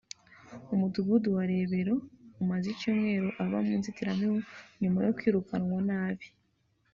umudugudu wa Rebero amaze icyumweru aba mu nzitiramibu nyuma yo kwirukanwa n’abe